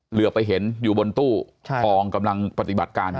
เหลือไปเห็นอยู่บนตู้ทองกำลังปฏิบัติการอยู่